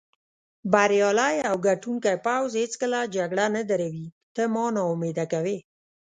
بریالی او ګټوونکی پوځ هېڅکله جګړه نه دروي، ته ما نا امیده کوې.